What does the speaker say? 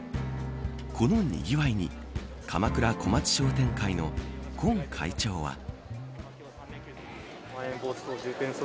このにぎわいに鎌倉小町商店会の今会長は。